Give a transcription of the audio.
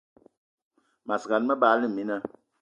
Mas gan, me bagla mina